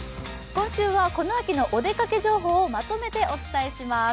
今週はこの秋のお出かけ情報をまとめてお伝えします。